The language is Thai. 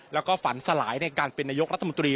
แล้วก็ฝันสลายในการเป็นนายกรัฐมนตรี